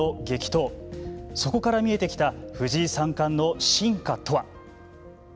そこから見えてきた藤井三冠の進化とは。